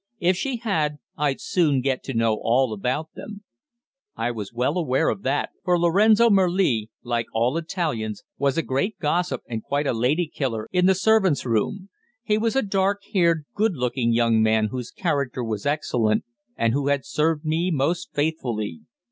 "If she had, I'd soon get to know all about them." I was well aware of that, for Lorenzo Merli, like all Italians, was a great gossip, and quite a lady killer in the servants' hall. He was a dark haired, good looking young man whose character was excellent, and who had served me most faithfully.